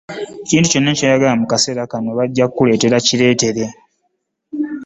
Ekintu kyonna kyoyagala mu kaseera kano bajja kuleetera kireetere